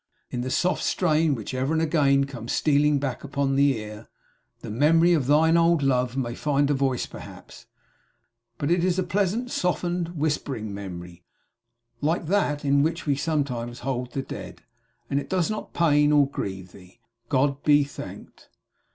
In the soft strain which ever and again comes stealing back upon the ear, the memory of thine old love may find a voice perhaps; but it is a pleasant, softened, whispering memory, like that in which we sometimes hold the dead, and does not pain or grieve thee, God be thanked.